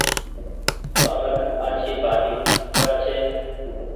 پآلڪ آڇي ڀآڃي ڪآ ڇي۔